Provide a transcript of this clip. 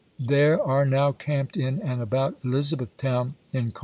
.. There are now camped in and about Elizabethtown, in Chap.